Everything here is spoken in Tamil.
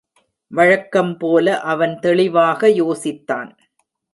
வழக்கம் போல அவன் தெளிவாக யோசித்தான்.